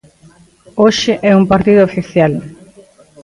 Hoxe é un partido oficial.